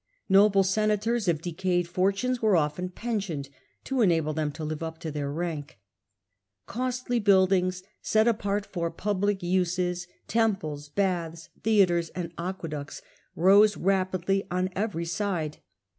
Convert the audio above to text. Noble senators of decayed fortunes were often pensioned, to enable them to live up to their rank. Costly buildings set apart for public uses, temples, baths, theatres, and aqueducts, rose rapidly on every side.